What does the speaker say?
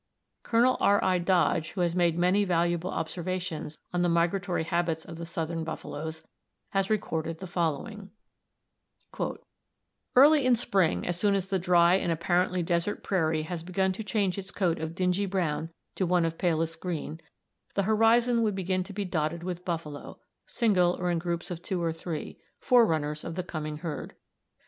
Col. R. I. Dodge, who has made many valuable observations on the migratory habits of the southern buffaloes, has recorded the following: "Early in spring, as soon as the dry and apparently desert prairie had begun to change its coat of dingy brown to one of palest green, the horizon would begin to be dotted with buffalo, single or in groups of two or three, forerunners of the coming herd.